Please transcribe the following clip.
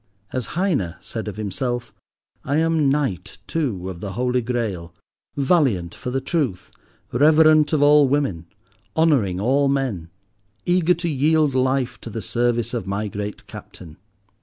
As Heine said of himself, I am knight, too, of the Holy Grail, valiant for the Truth, reverent of all women, honouring all men, eager to yield life to the service of my great Captain.